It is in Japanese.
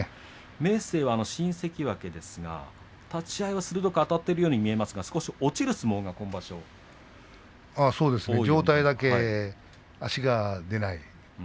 明生は新関脇ですが立ち合いは鋭くあたっているように見えますが上体だけで足が出ない。